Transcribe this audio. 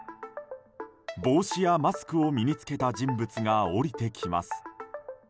帽子やマスクを身に着けた人物が降りてきます。